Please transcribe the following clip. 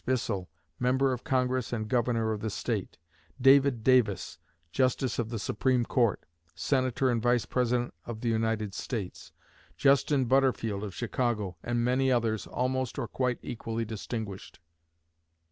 Bissell, Member of Congress, and Governor of the State; David Davis, justice of the Supreme Court, Senator and Vice President of the United States; Justin Butterfield of Chicago, and many others almost or quite equally distinguished.